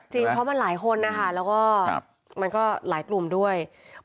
เพราะมันหลายคนนะคะแล้วก็มันก็หลายกลุ่มด้วย